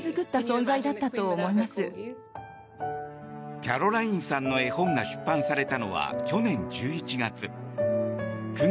キャロラインさんの絵本が出版されたのは去年１１月。